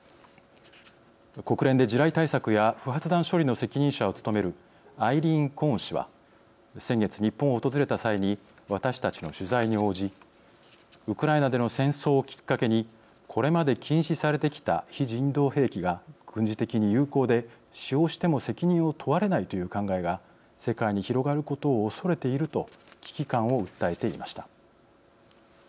国連で地雷対策や不発弾処理の責任者を務めるアイリーン・コーン氏は先月、日本を訪れた際に私たちの取材に応じウクライナでの戦争をきっかけにこれまで禁止されてきた非人道兵器が軍事的に有効で使用しても責任を問われないという考えが世界に広がることを恐れていると危機感を訴えていました。